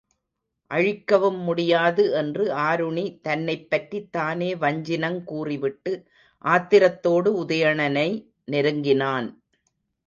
அழிக்கவும் முடியாது! என்று ஆருணி தன்னைப் பற்றித் தானே வஞ்சினங் கூறிவிட்டு ஆத்திரத்தோடு உதயணனை நெருங்கினான்.